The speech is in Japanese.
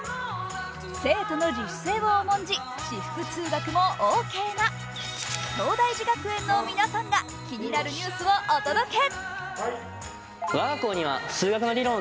生徒の自主性を重んじ私服通学もオーケーな東大寺学園の皆さんが気になるニュースをお届け。